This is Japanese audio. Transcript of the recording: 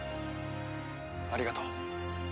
ありがとう。